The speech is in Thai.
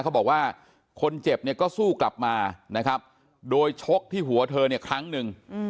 เขาบอกว่าคนเจ็บเนี่ยก็สู้กลับมานะครับโดยชกที่หัวเธอเนี่ยครั้งหนึ่ง